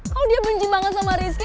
kalau dia benci banget sama rizky